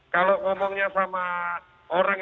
kalau ngomongnya sama orang yang berpengalaman